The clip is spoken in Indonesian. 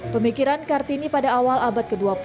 pemikiran kartini pada awal abad ke dua puluh